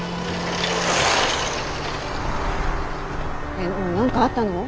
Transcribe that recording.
えっ何かあったの？